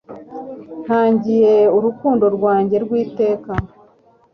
ndagiye urukundo rwanjye rwiteka